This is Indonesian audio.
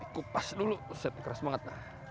kupas dulu keras banget